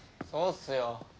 そうっすよ。